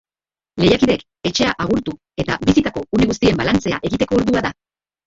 Lehiakideek etxea agurtu eta bizitako une guztien balantzea egiteko ordua da.